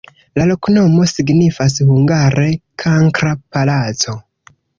La loknomo signifas hungare: kankra-palaco.